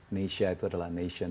nesia itu adalah nation